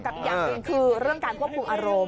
อีกอย่างหนึ่งคือเรื่องการควบคุมอารมณ์